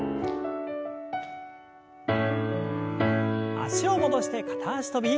脚を戻して片脚跳び。